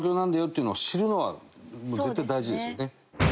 っていうのを知るのは絶対大事ですよね。